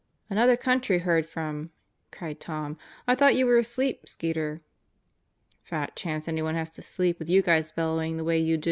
"Another country heard from," cried Tom. "I thought you were asleep, Skeeter." "Fat chance anyone has to sleep with you guys bellowing the way you do."